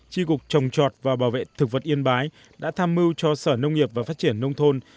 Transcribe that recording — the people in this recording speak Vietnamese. tri cục trồng trọt và bảo vệ thực vật yên bái đã tham mưu cho sở nông nghiệp và phát triển nông thôn